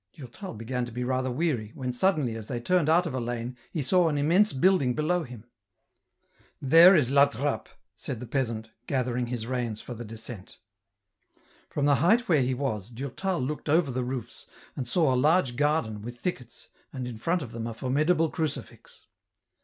Durtal began to be rather weary, when suddenly as they turned out of a lane, he saw an immense building below him. " There is La Trappe !" said the peasant, gathering his reins for the descent. From the height where he was, Durtal looked over the roofs, and saw a large garden, with thickets, and in front of them a formidable crucifix.